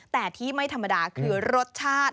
แต่ที่ไม่ธรรมดาคือรสชาติ